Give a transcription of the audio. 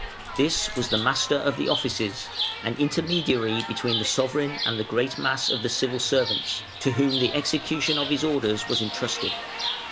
This was the Master of the Offices the intermediary between the sovereign and the great mass of the civil servants, to whom the execution of his orders was entrusted.